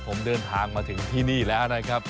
ผมเดินทางมาถึงที่นี่แล้วนะครับ